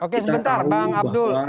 oke sebentar bang abdul